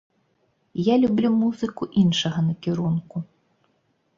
Я люблю музыку іншага накірунку.